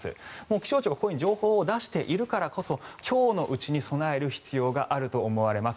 気象庁が情報を出しているからこそ今日のうちに備える必要があると思います。